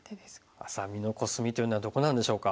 愛咲美のコスミというのはどこなんでしょうか？